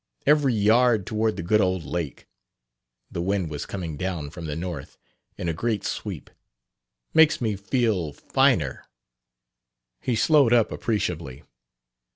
Every yard toward the good old lake" the wind was coming down from the north in a great sweep "makes me feel finer." He slowed up appreciably.